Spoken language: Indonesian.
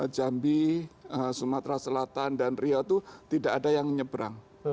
jambi sumatera selatan dan riau itu tidak ada yang nyebrang